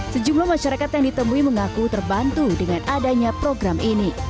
sejumlah masyarakat yang ditemui mengaku terbantu dengan adanya program ini